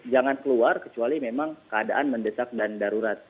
jangan keluar kecuali memang keadaan mendesak dan darurat